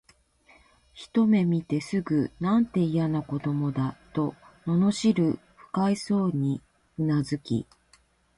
ひとめ見てすぐ、「なんて、いやな子供だ」と頗る不快そうに呟き、